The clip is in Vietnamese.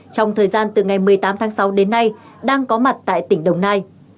trong thời gian từ ngày một mươi tám tháng sáu đến nay đang có mặt tại tỉnh đồng nai